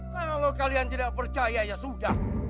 kalau kalian tidak percaya ya sudah